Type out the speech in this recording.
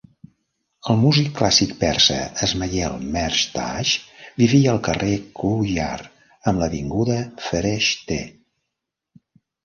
El músic clàssic persa Esmaiel Mehrtash vivia al carrer Koohyar amb l'avinguda Fereshteh.